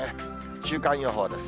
週間予報です。